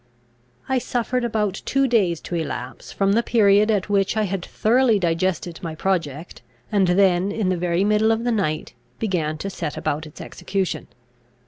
I suffered about two days to elapse from the period at which I had thoroughly digested my project, and then in the very middle of the night began to set about its execution.